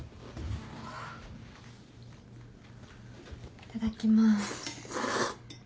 いただきます。